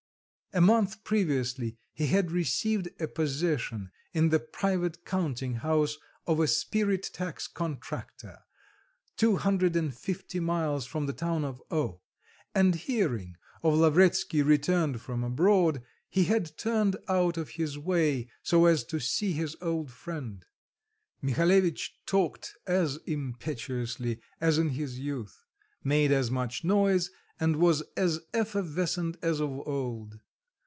A month previously he had received a position in the private counting house of a spirit tax contractor, two hundred and fifty miles from the town of O , and hearing of Lavretsky returned from abroad he had turned out of his way so as to see his old friend. Mihalevitch talked as impetuously as in his youth; made as much noise and was as effervescent as of old.